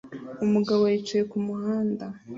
Umugabo yicaye kumuhanda